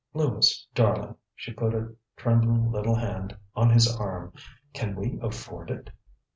ŌĆ£Lewis, darling, ŌĆØ she put a trembling little hand on his arm, ŌĆ£can we afford it?